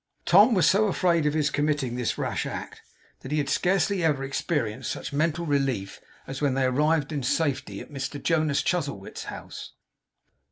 Tom was so afraid of his committing this rash act, that he had scarcely ever experienced such mental relief as when they arrived in safety at Mrs Jonas Chuzzlewit's house.